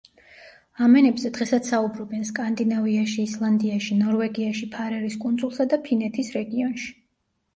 ამ ენებზე დღესაც საუბრობენ სკანდინავიაში, ისლანდიაში, ნორვეგიაში, ფარერის კუნძულსა და ფინეთის რეგიონში.